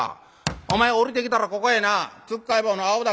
お前下りてきたらここへなつっかえ棒の青竹があんねん。